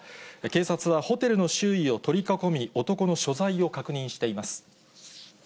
警察はホテルの周囲を取り囲み、男の所在を確認しています。